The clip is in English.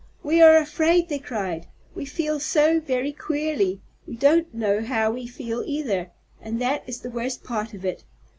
"We are afraid," they cried. "We feel so very queerly. We don't know how we feel, either, and that is the worst part of it.